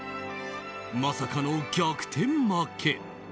まさかの逆転負け。